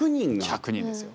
１００人ですよ。